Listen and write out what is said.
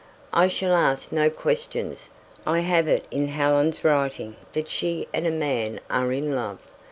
"I shall ask no questions. I have it in Helen's writing that she and a man are in love.